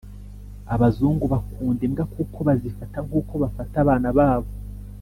Abazungu bakunda imbwa kuko bazifata nkuko bafata abana babo